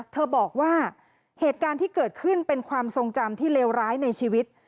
เธอบอกว่าเหตุการณ์ที่เกิดขึ้นเป็นความทรงจำที่เลวร้ายในชีวิต